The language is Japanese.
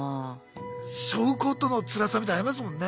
背負うことのつらさみたいのありますもんね